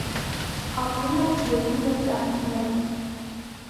Ապրում է ջրերում և ճահիճներում։